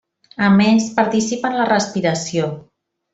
A més, participa en la respiració.